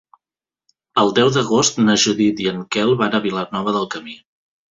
El deu d'agost na Judit i en Quel van a Vilanova del Camí.